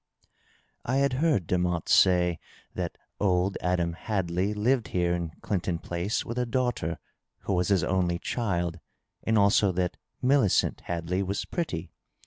I had heard Demotte say that old Adam Hadley lived here in Clinton Place with a daughter who was his only child, and also that Millicent Hadley was pretty.